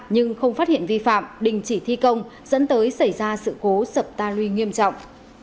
nhưng không phát hiện vi phạm đình chỉ thi công dẫn tới xảy ra sự cố sập ta luy nghiêm trọng